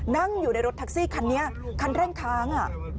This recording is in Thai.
นั่งอยู่ในรถแท็กซี่คันนี้คันเร่งค้าง